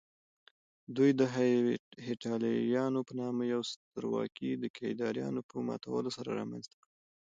دوی د هېپتاليانو په نامه يوه سترواکي د کيداريانو په ماتولو سره رامنځته کړه